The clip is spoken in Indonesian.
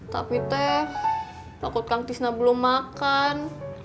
tapi pakut kang tisna belum makan